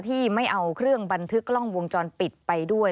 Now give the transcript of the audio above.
ที่ไม่เอาเครื่องบันทึกกล้องวงจรปิดไปด้วย